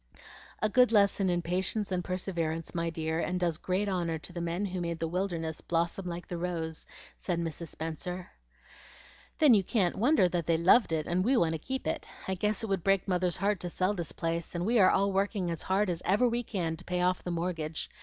"A good lesson in patience and perseverance, my dear, and does great honor to the men who made the wilderness blossom like the rose," said Mrs. Spenser. "Then you can't wonder that they loved it and we want to keep it. I guess it would break Mother's heart to sell this place, and we are all working as hard as ever we can to pay off the mortgage.